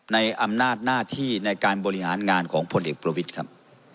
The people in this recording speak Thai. ในอำนาจหน้าที่ในการบริหารงานของพลเอกประวิทย์ครับ